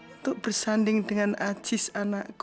untuk bersanding dengan ajis anakku